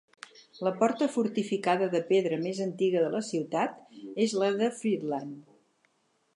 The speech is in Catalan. La porta fortificada de pedra més antiga de la ciutat és la de Friedland.